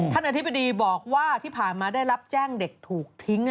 อธิบดีบอกว่าที่ผ่านมาได้รับแจ้งเด็กถูกทิ้ง